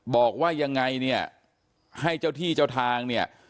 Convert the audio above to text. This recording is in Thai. บอกว่ายังไงเนี่ยให้เจ้าที่เจ้าทางเนี่ย